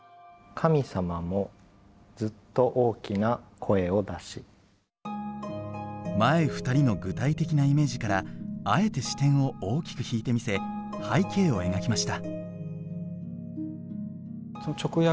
これの前２人の具体的なイメージからあえて視点を大きく引いてみせ背景を描きました。